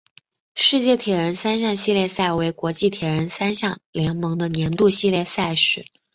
世界铁人三项系列赛为国际铁人三项联盟的年度系列赛事。